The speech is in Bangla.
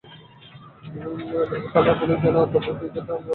মিরপুর থানার পুলিশ জানায়, অতনু ক্রিকেট জুয়ার সঙ্গে জড়িত থাকার কথা স্বীকার করেছেন।